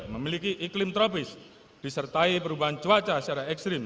memiliki iklim tropis disertai perubahan cuaca secara ekstrim